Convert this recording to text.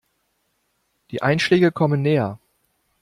Die Einschläge kommen näher.